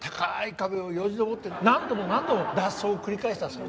壁をよじ登って何度も何度も脱走を繰り返したそうです。